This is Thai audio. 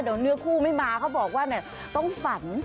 เดี๋ยวเนื้อคู่ไม่มาเขาบอกว่าต้องฝัน